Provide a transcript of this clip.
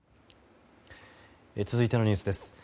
続いてのニュースです。